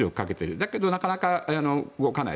だけどなかなか動かない。